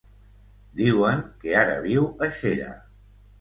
Diuen que ara viu a Xera.